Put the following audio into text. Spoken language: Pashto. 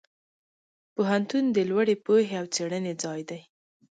پوهنتون د لوړې پوهې او څېړنې ځای دی.